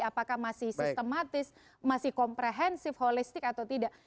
apakah masih sistematis masih komprehensif holistik atau tidak